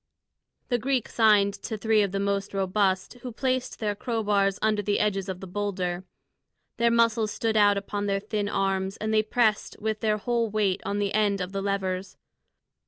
The Greek signed to three of the most robust, who placed their crow bars under the edges of the boulder. Their muscles stood out upon their thin arms, and they pressed with their whole weight on the end of the levers.